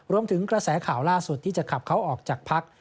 รวมถึงกระแสข่าวล่าสุดที่จะขับเขาออกจากพัก